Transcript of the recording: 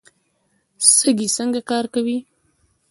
سږي څنګه کار کوي؟